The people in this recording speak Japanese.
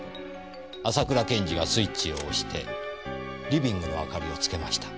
浅倉検事がスイッチを押してリビングの明かりをつけました。